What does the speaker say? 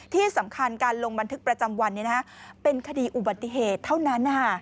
ที่สำคัญการลงบันทึกประจำวันเป็นคดีอุบัติเหตุเท่านั้น